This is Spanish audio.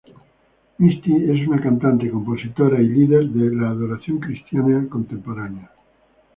Misty es una cantante, compositor y líder de adoración cristiana contemporánea.